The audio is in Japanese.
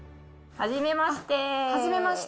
はじめまして。